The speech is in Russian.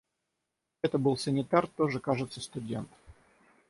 Это был санитар, тоже, кажется, студент.